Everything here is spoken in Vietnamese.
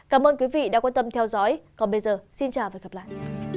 cảm ơn quý vị đã quan tâm theo dõi còn bây giờ xin chào và hẹn gặp lại